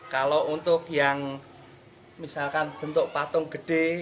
kalau untuk yang misalkan bentuk patung gede